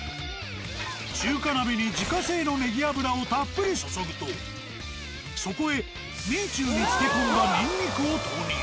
中華鍋に自家製のネギ油をたっぷり注ぐとそこへ米酒に漬け込んだニンニクを投入。